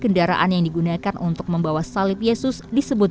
kendaraan yang digunakan untuk membawa salib yesus disebut